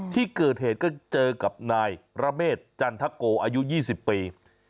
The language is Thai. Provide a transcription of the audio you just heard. ที่เกิดเหตุก็เจอกับนายระเมษจันทโกอายุ๒๐ปี